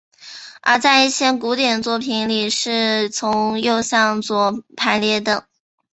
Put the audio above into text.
而在一些古典作品里是从右向左排列的。